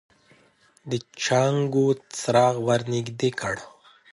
جانکو څراغ ور نږدې کړ.